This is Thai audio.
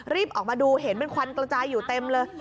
รีบออกมาดูเห็นเป็นควันกระจายอยู่เต็มเลย